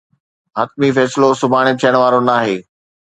حتمي فيصلو سڀاڻي ٿيڻ وارو ناهي.